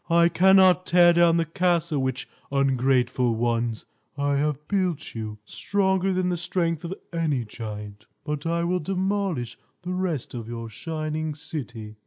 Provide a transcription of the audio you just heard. I cannot tear down the castle which, ungrateful ones, I have built you, stronger than the strength of any giant. But I will demolish the rest of your shining city!"